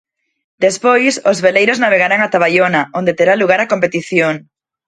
Despois, os veleiros navegarán ata Baiona, onde terá lugar a competición.